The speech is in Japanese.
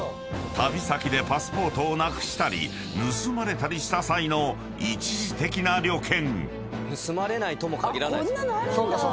旅先でパスポートをなくしたり盗まれたりした際の一時的な旅券］